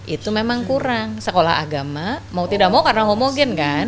itu memang kurang sekolah agama mau tidak mau karena ngomongin kan